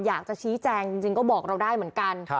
อยากจะชี้แจงจริงก็บอกเราได้เหมือนกัน